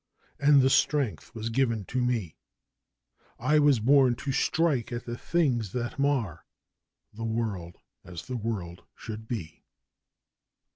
and the strength was given to me; 'I was born to strike at the things that mar the world as the world should be!